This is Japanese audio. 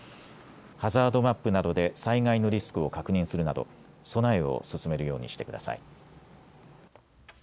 ハザードマップなどで災害のリスクを確認するなど備えを進めるようにしてください。